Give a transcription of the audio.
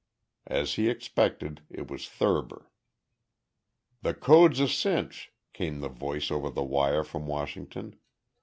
As he expected, it was Thurber. "The code's a cinch," came the voice over the wire from Washington.